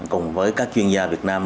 cùng với các chuyên gia việt nam